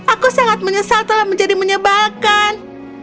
aku sangat menyesal telah menjadi menyebalkan